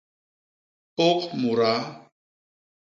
Ôk mudaa.